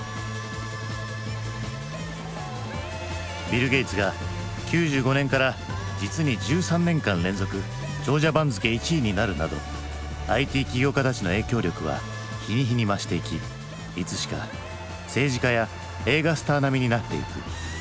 ビル・ゲイツが９５年から実に１３年間連続長者番付１位になるなどＩＴ起業家たちの影響力は日に日に増していきいつしか政治家や映画スター並みになってゆく。